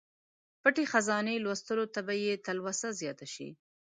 پټې خزانې لوستلو ته به یې تلوسه زیاته شي.